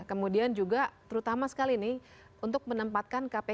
kemudian juga terutama sekali nih untuk menempatkan kpk